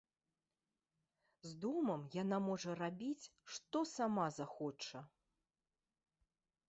З домам яна можа рабіць, што сама захоча.